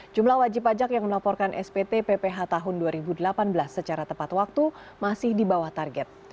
jumlah wajib pajak yang melaporkan spt pph tahun dua ribu delapan belas secara tepat waktu masih di bawah target